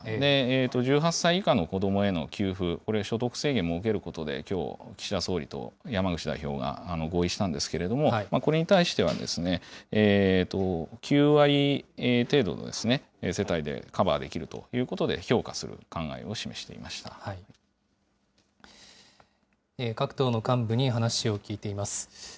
１８歳以下の子どもへの給付、これ、所得制限設けることできょう、岸田総理と山口代表が合意したんですけれども、これに対しては、９割程度の世帯でカバーできるということで、評価する考えを示し各党の幹部に話を聞いています。